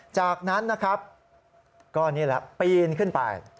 จากนั้นนะครับก็นี่แหละปีนขึ้นไป